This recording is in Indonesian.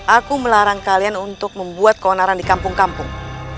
aku melarang kalian untuk membuat keonaran di kampung kampung